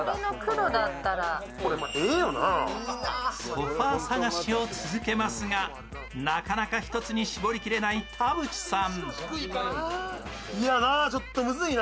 ソファー探しを続けますがなかなか１つに絞りきれない田渕さん。